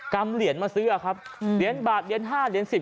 กำเหรียญมาซื้ออ่ะครับเหรียญบาทเหรียญห้าเหรียญสิบ